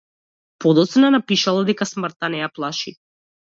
Подоцна напишала дека смртта не ја плаши.